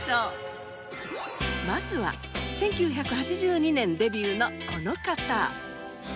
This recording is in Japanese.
まずは１９８２年デビューのこの方。